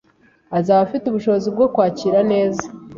azaba afite ubushobozi bwo kwakira neza